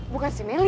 bukan si meli